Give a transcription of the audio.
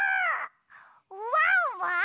ワンワン！